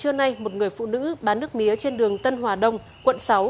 trưa nay một người phụ nữ bán nước mía trên đường tân hòa đông quận sáu